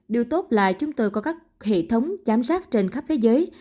điều tốt là chúng tôi có các hệ thống giám sát trên khắp thế giới